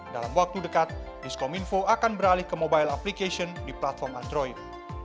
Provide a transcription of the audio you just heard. dalam waktu dekat diskominfo akan beralih ke mobile application di platform android